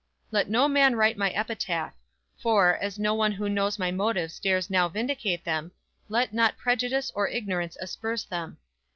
"Let no man write my epitaph; for, as no one who knows my motives dares now vindicate them, let not prejudice or ignorance asperse them.